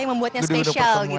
apa yang membuatnya spesial gitu ya